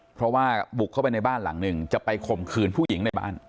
เพราะว่าบุกเข้าไปในบ้านหลังหนึ่งจะไปข่มขืนผู้หญิงในบ้าน